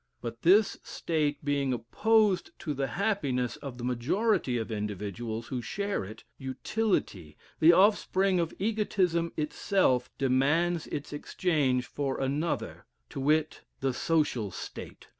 But this state being opposed to the happiness of the majority of individuals who share it, utility, the offspring of egotism itself, demands its exchange for another, to wit, the social state.